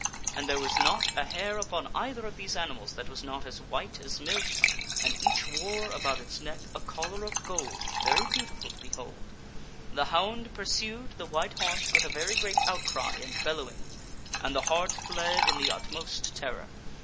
And there was not a hair upon either of these animals that was not as white as milk, and each wore about its neck a collar of gold very beautiful to behold. The hound pursued the white hart with a very great outcry and bellow ing, and the hart fled in the utmost terror.